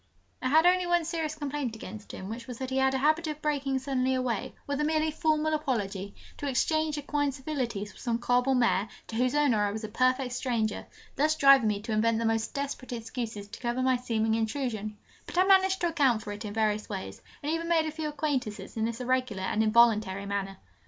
I had only one serious complaint against him, which was that he had a habit of breaking suddenly away, with a merely formal apology, to exchange equine civilities with some cob or mare, to whose owner I was a perfect stranger, thus driving me to invent the most desperate excuses to cover my seeming intrusion: but I managed to account for it in various ways, and even made a few acquaintances in this irregular and involuntary manner.